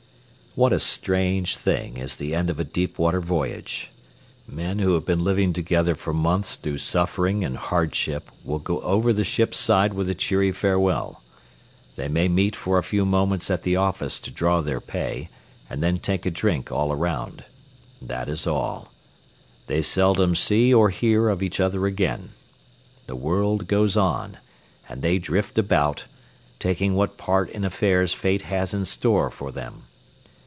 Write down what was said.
What a strange thing is the end of a deep water voyage! Men who have been living together for months through suffering and hardship will go over the ship's side with a cheery farewell. They may meet for a few moments at the office to draw their pay, and then take a drink all around. That is all. They seldom see or hear of each other again. The world goes on, and they drift about, taking what part in affairs Fate has in store for them.